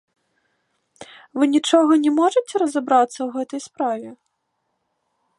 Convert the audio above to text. Вы нічога не можаце разабрацца ў гэтай справе?